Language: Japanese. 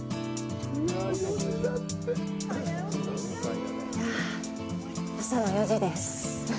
いや、朝の４時です。